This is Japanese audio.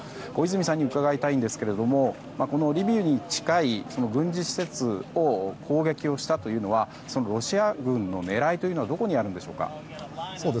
小泉さんに伺いたいんですがリビウに近い軍事施設を攻撃をしたというのはロシア軍の狙いというのはどこにあるんでしょうか。